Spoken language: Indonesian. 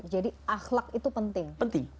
jadi akhlak itu penting